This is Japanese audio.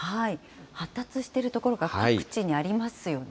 発達している所が各地にありますよね。